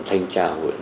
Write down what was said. thanh tra huyện